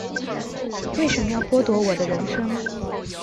为什么要剥夺我的人生